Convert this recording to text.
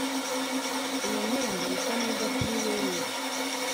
Iyo myenda isa neza kuri wewe